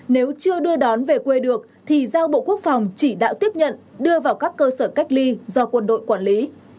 nếu chưa đưa đón về quê được thì giao bộ quốc phòng chỉ đạo tiếp nhận đưa vào các cơ sở cách ly do quân đội quản lý